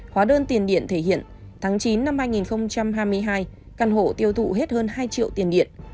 hóa đơn tiền điện thể hiện tháng chín năm hai nghìn hai mươi hai căn hộ tiêu thụ hết hơn hai triệu tiền điện